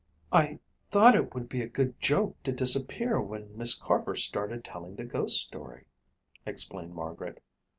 "I thought it would be a good joke to disappear when Miss Carver started telling the ghost story," explained Margaret.